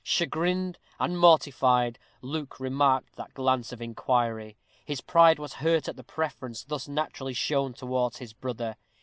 Chagrined and mortified, Luke remarked that glance of inquiry. His pride was hurt at the preference thus naturally shown towards his brother.